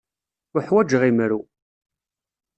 Uḥwaǧeɣ imru.